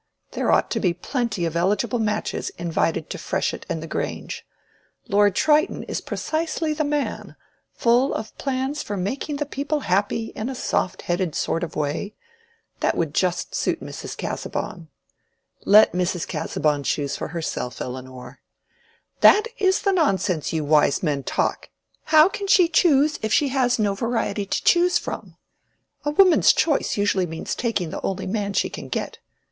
There ought to be plenty of eligible matches invited to Freshitt and the Grange. Lord Triton is precisely the man: full of plans for making the people happy in a soft headed sort of way. That would just suit Mrs. Casaubon." "Let Mrs. Casaubon choose for herself, Elinor." "That is the nonsense you wise men talk! How can she choose if she has no variety to choose from? A woman's choice usually means taking the only man she can get.